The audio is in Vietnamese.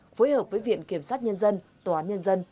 phối hợp với viện kiểm sát nhân dân tòa án nhân dân